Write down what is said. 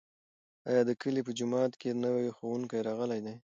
ایا د کلي په جومات کې نوی ښوونکی راغلی دی؟